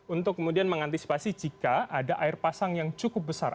untuk kemudian mengantisipasi jika ada air pasang yang cukup besar